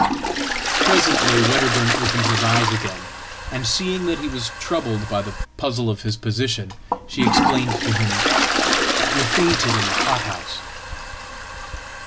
"Presently Wedderburn opened his eyes again, and, seeing that he wastroubled by the puzzle of his position, she explained to him, "You faintedin the hothouse.""